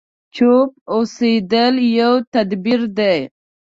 چوپ اوسېدل يو تدبير دی.